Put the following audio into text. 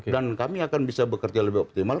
kami akan bisa bekerja lebih optimal